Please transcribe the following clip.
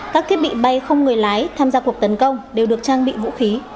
các thiết bị bay không người lái tham gia cuộc tấn công đều được trang bị vũ khí